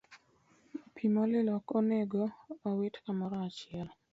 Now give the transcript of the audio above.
Pi molil ok onego owit kamoro achiel.